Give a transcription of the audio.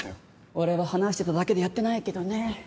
俺は話してただけでやってないけどね。